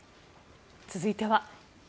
続いては。